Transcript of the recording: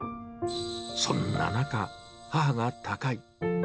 そんな中、母が他界。